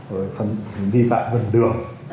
rồi vi phạm vận đường